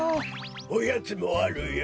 おやつもあるよ。